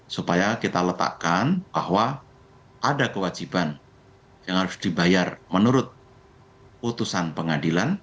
supaya kita letakkan bahwa ada kewajiban yang harus dibayar menurut putusan pengadilan